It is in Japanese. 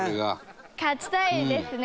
勝ちたいですね。